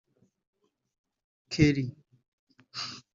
Kelly